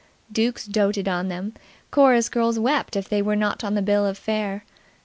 Dukes doted on them; chorus girls wept if they were not on the bill of fare.